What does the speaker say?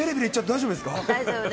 大丈夫ですか。